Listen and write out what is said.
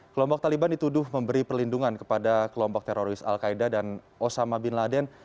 kelompok taliban dituduh memberi perlindungan kepada kelompok teroris al qaeda dan osama bin laden